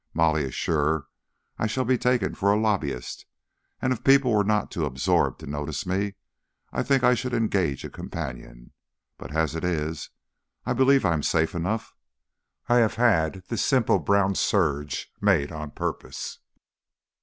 Molly is sure I shall be taken for a lobbyist, and if people were not too absorbed to notice me, I think I should engage a companion; but as it is, I believe I am safe enough. I have had this simple brown serge made, on purpose."